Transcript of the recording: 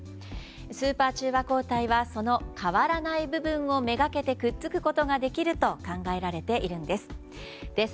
スーパー中和抗体はその変わらない部分をめがけてくっつくことができると考えられているんです。